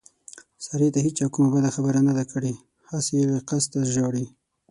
سارې ته هېچا کومه بده خبره نه ده کړې، هسې له قسته ژاړي.